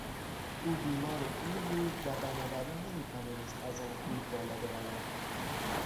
او بیمار و پیر بود و بنابراین نمیتوانست از آن کوه بالا برود.